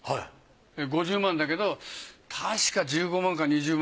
５０万だけどたしか１５万か２０万